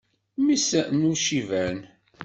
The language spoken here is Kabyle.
Mmi-s n uciban.